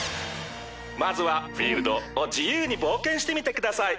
まずはフィールドを自由に冒険してみてください。